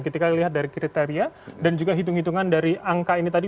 ketika dilihat dari kriteria dan juga hitung hitungan dari angka ini tadi